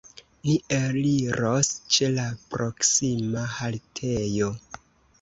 Ni eliros ĉe la proksima haltejo.